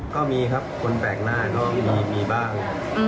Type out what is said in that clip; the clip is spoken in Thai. ก็มีครับคนแปลกหน้าก็มีบ้าง